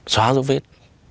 xóa dấu vết